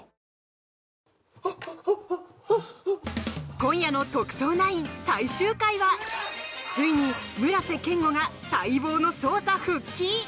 今夜の「特捜９」最終回はついに村瀬健吾が待望の捜査復帰！